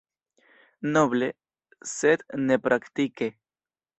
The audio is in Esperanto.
Noble, sed nepraktike.